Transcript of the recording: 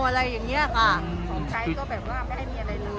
อะไรอย่างเงี้ยค่ะของใช้ก็แบบว่าไม่ให้มีอะไรเลย